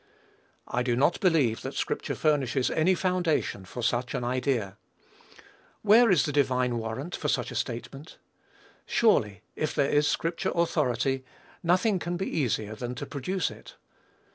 I do not believe that scripture furnishes any foundation for such an idea. Where is the divine warrant for such a statement? Surely if there is scripture authority, nothing can be easier than to produce it.